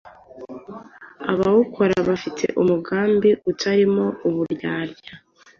Abawukora bafite umugambi utarimo uburyarya